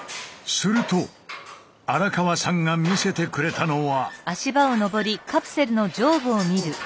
すると荒川さんが見せてくれたのは。